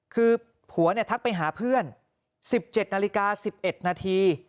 คือผัวทักไปหาเพื่อน๑๗นาฬิกา๑๑นาที